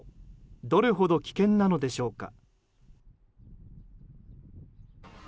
どれほど危険なのでしょうか？